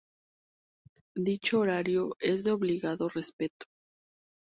Dicho horario es de obligado respeto.